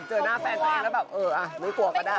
เจอหน้าแฟนตัวเองแล้วแบบเออไม่กลัวก็ได้